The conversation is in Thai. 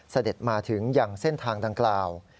เสด็จมาถึงอย่างเส้นทางดังกล่าว